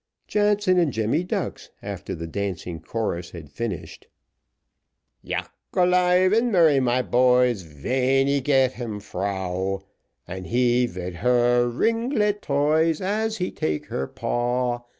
Jansen and Jemmy Ducks, after the dancing chorus had finished, Yack alive and merry, my boys, Ven he get him frau, And he vid her ringlet toys, As he take her paw.